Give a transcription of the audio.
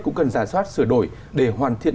cũng cần giả soát sửa đổi để hoàn thiện